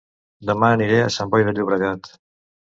Dema aniré a Sant Boi de Llobregat